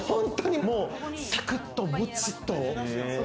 サクッともちっと。